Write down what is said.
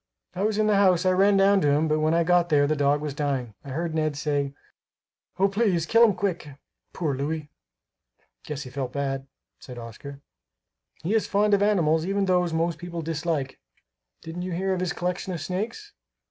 "I was in the house; I ran down to him, but when I got there the dog was dying. I heard Ned say, 'Oh! please kill him quick. Poor Louis!'" "Guess he felt bad," said Oscar. "He is fond of animals, even those most people dislike. Didn't you hear of his collection of snakes?